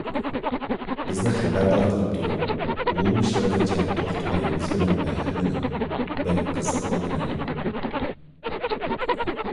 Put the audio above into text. بىزنى خەۋەردار قىلىپ تۇرۇڭ. ئۇلىنىشلىرىغىچە توختىماي بىز بىلەن بەھرىلىنىڭ، بەك قىزىقىۋاتىمەن